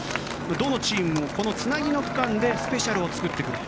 どのチームもこのつなぎの区間でスペシャルを作ってくると。